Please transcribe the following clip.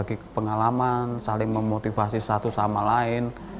bagi pengalaman saling memotivasi satu sama lain